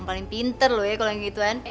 paling pinter lo ya kalau yang gituan